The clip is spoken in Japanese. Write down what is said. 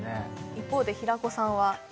一方で平子さんは？